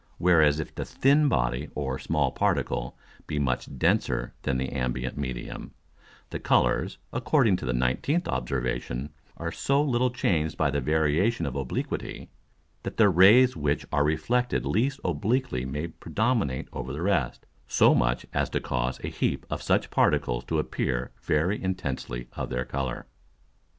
Whereas if the thin Body or small Particle be much denser than the ambient Medium, the Colours, according to the 19th Observation, are so little changed by the variation of obliquity, that the Rays which are reflected least obliquely may predominate over the rest, so much as to cause a heap of such Particles to appear very intensely of their Colour.